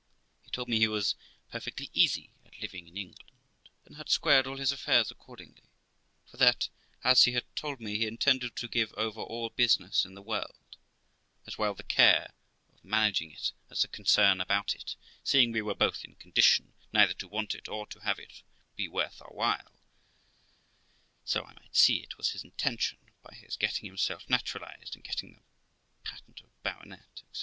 He told me he was perfectly easy at living in England, and had squared all his affairs accordingly; for that, as he had told me he intended to give over all business in the world, as well the care of managing it as the concern about it, seeing we were both in condition neither to want it or to have it be worth our while, so I might see it was his intention, by his getting himself naturalised, and getting the patent of baronet, etc.